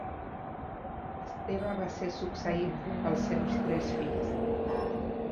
Esteve va ser succeït pels seus tres fills.